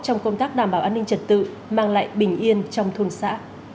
trong công tác đảm bảo an ninh trật tự mang lại bình yên trong thôn xã